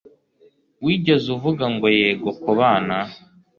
wigeze uvuga ngo 'yego kubana